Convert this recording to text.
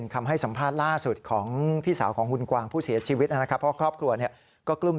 ข่าวเรื่องของชู้สาวเนี่ยนะครับ